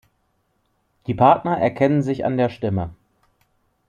Die Partner erkennen sich an der Stimme.